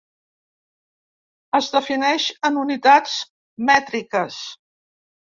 Es defineix en unitats mètriques.